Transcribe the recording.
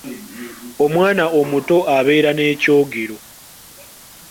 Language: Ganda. Omwana omuto abeera ne kyogero.